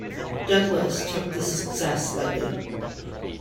Douglas took the success lightly.